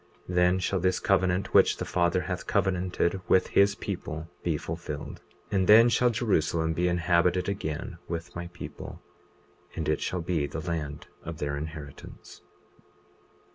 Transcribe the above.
Then shall this covenant which the Father hath covenanted with his people be fulfilled; and then shall Jerusalem be inhabited again with my people, and it shall be the land of their inheritance.